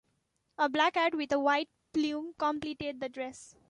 A black hat with a white plume completed the dress.